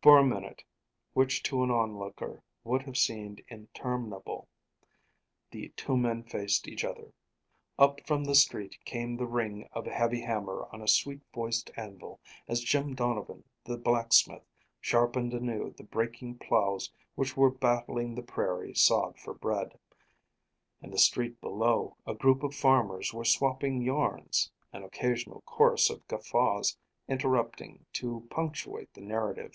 For a minute, which to an onlooker would have seemed interminable, the two men faced each other. Up from the street came the ring of a heavy hammer on a sweet voiced anvil, as Jim Donovan, the blacksmith, sharpened anew the breaking ploughs which were battling the prairie sod for bread. In the street below, a group of farmers were swapping yarns, an occasional chorus of guffaws interrupting to punctuate the narrative.